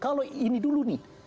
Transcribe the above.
kalau ini dulu nih